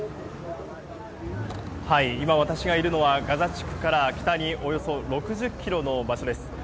今、私がいるのはガザ地区から北におよそ６０ｋｍの場所です。